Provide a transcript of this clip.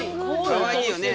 かわいいよね。